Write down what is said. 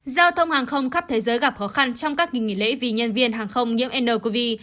giao thông hàng không khắp thế giới gặp khó khăn trong các kỳ nghỉ lễ vì nhân viên hàng không nhiễm ncov